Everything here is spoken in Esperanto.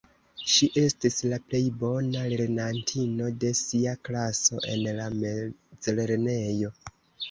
Ŝi estis la plej bona lernantino de sia klaso en la mezlernejo.